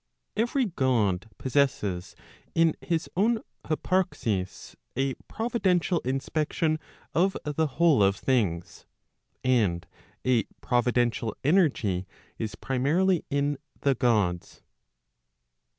Every God possesses in his own hyparxis a providential inspection of the whole of things. And a providential energy is primarily in the Gods.